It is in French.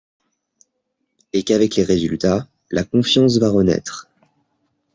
Et qu’avec les résultats, la confiance va renaître.